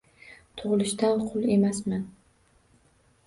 Tug’ilishdan qul emasman